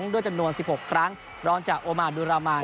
ด้วยจำนวน๑๖ครั้งรองจากโอมานดูรามาน